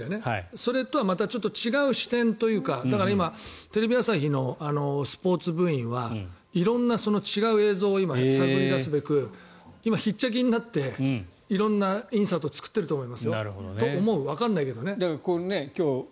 それとはまた違う視点というかだから今テレビ朝日のスポーツ部員は色んな違う映像を今、探り出すべく今、ひっちゃきになって色んなインサートを作っていると思う。